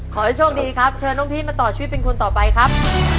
ขอให้โชคดีครับเชิญน้องพี่มาต่อชีวิตเป็นคนต่อไปครับ